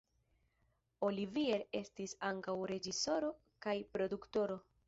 Olivier estis ankaŭ reĝisoro kaj produktoro.